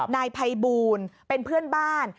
นายภัยบูลเป็นเพื่อนบ้าน